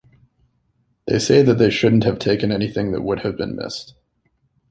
They say that they shouldn't have taken anything that would have been missed.